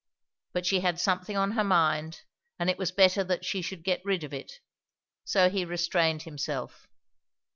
But she had something on her mind, and it was better that she should get rid of it; so he restrained himself.